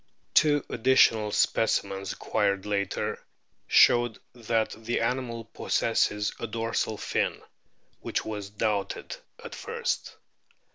Two additional specimens acquired later* showed that the animal possesses a dorsal fin (which was doubted at first).